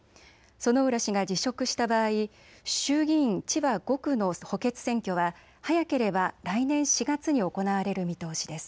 薗浦氏が辞職した場合、衆議院千葉５区の補欠選挙は早ければ来年４月に行われる見通しです。